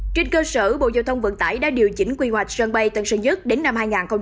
trên cơ sở bộ giao thông vận tải đã điều chỉnh quy hoạch sân bay tân sơn nhất đến năm hai nghìn ba mươi